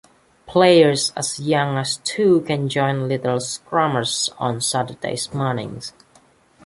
Players as young as two can join Little Scrummers on Saturday mornings.